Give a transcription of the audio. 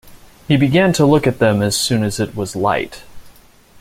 He began to look at them as soon as it was light.